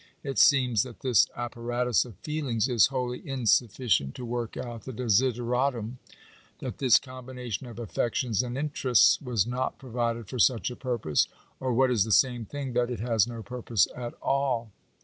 It seems that this apparatus of feelings is wholly insufficient to work out the desideratum — that this combination of affections and interests was not provided for such a purpose, or, what is the same thing, that it has no purpose at all.